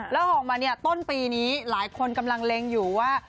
แล้วออกมาเนี่ยต้นปีนี้หลายคนกำลังเล็งอยู่ว่า